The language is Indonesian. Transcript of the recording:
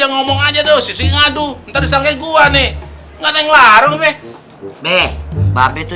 ngomong aja dosis ngadu ntar disangka gua nih enggak ngelarang be be mbak itu